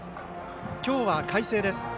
今日は快晴です。